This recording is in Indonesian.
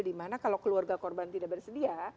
dimana kalau keluarga korban tidak bersedia